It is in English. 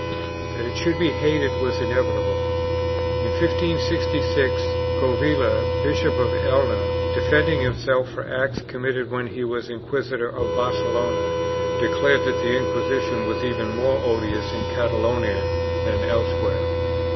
1 That it should be hated was inevitable. In 1566, Govilla, Bishop of Elna, defending himself for acts committed when he was inquisitor of Barcelona, declared that the Inquisition was even more odious in Catalonia than elsewhere.